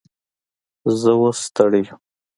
زه اوس ستړی یم